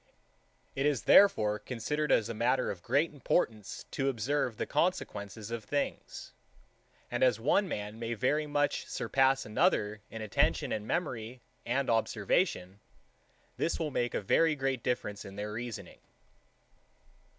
It is therefore considered as a matter of great importance to observe the consequences of things; and as one man may very much surpass another in attention and memory and observation, this will make a very great difference in their reasoning.